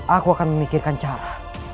aku akan memikirkan cara